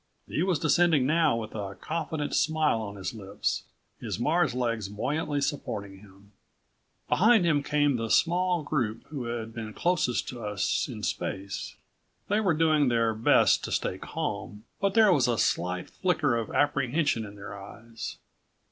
He was descending now with a confident smile on his lips, his Mars' legs buoyantly supporting him. Behind him came the small group who had been closest to us in space. They were doing their best to stay calm, but there was a slight flicker of apprehension in their eyes.